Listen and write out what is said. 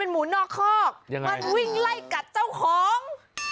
เป็นหมูนอกคอกยังไงมันวิ่งไล่กัดเจ้าของ